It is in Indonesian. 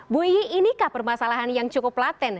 bu iyi inikah permasalahan yang cukup laten